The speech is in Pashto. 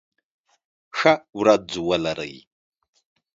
ښه ورځ ولری